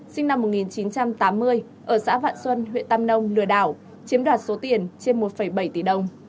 sinh năm một nghìn chín trăm tám mươi ở xã vạn xuân huyện tam nông lừa đảo chiếm đoạt số tiền trên một bảy tỷ đồng